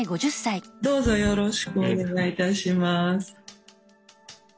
どうぞよろしくお願い致します。